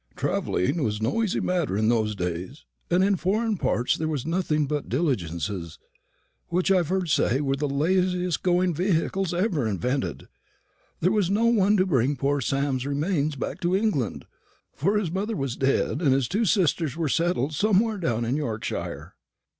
Travelling was no easy matter in those days, and in foreign parts there was nothing but diligences, which I've heard say were the laziest going vehicles ever invented. There was no one to bring poor Sam's remains back to England, for his mother was dead, and his two sisters were settled somewhere down in Yorkshire."